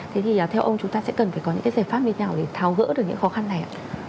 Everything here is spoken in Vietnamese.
thế thì theo ông chúng ta sẽ cần phải có những cái giải pháp như thế nào để tháo gỡ được những khó khăn này ạ